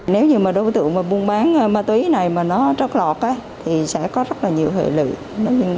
nếu như đối tượng mua bán ma túy này mà nó trót lọt thì sẽ có rất nhiều hợi lực